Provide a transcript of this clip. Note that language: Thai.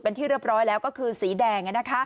เป็นที่เรียบร้อยแล้วก็คือสีแดง